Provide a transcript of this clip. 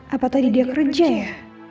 apa tadi dia kerja ya